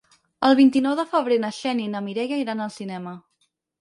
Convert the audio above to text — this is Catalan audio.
El vint-i-nou de febrer na Xènia i na Mireia iran al cinema.